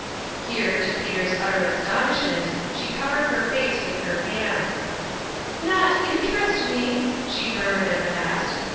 Here, to Peter's utter astonishment, she covered her face with her hands. " Not interest me !" she murmured at last.